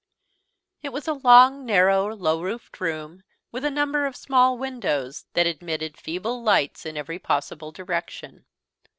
_ IT was a long, narrow, low roofed room, with a number of small windows, that admitted feeble lights in every possible direction.